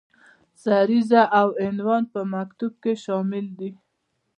سریزه او عنوان په مکتوب کې شامل دي.